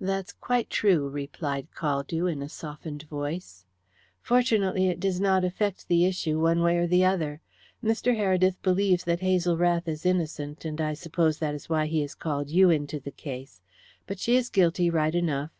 "That's quite true," replied Caldew, in a softened voice. "Fortunately, it does not affect the issue, one way or another. Mr. Heredith believes that Hazel Rath is innocent, and I suppose that is why he has called you into the case. But she is guilty, right enough.